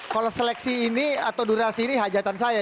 kalau seleksi ini atau durasi ini hajatan saya